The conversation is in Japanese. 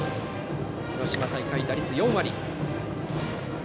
広島大会、打率４割です。